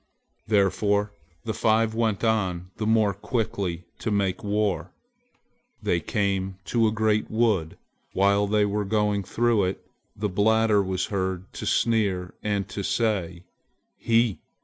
Therefore the five went on the more quickly to make war. They came to a great wood. While they were going through it, the Bladder was heard to sneer and to say, "He!